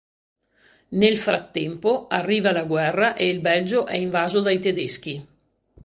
Nel frattempo arriva la guerra e il Belgio è invaso dai tedeschi.